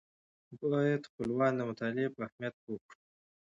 باید خپلوان د مطالعې په اهمیت پوه کړو.